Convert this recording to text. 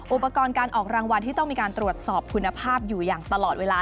อุปกรณ์การออกรางวัลที่ต้องมีการตรวจสอบคุณภาพอยู่อย่างตลอดเวลา